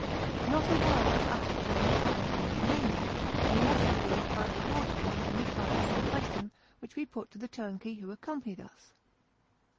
Not a word was uttered during the time of our remaining, unless, indeed, by the wardswoman in reply to some question which we put to the turnkey who accompanied us.